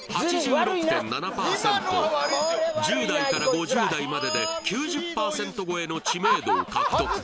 これ１０代から５０代までで９０％超えの知名度を獲得